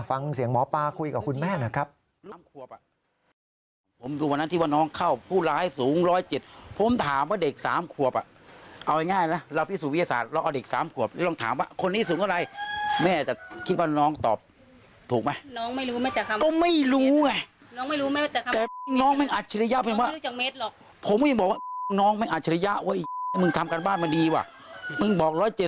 ฟังเสียงหมอปลาคุยกับคุณแม่หน่อยครับ